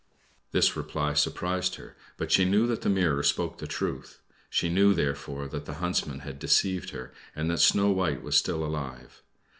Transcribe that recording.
This reply surprised her, but she knew that the mirror spoke the truth. She knew, therefore, that the Huntsman had deceived her, and that Snow White was still alive.